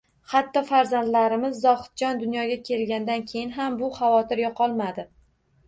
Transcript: Hatto farzandimiz Zohidjon dunyoga kelgandan keyin ham bu xavotir yo'qolmadi